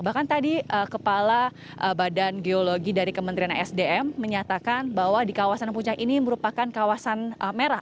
bahkan tadi kepala badan geologi dari kementerian sdm menyatakan bahwa di kawasan puncak ini merupakan kawasan merah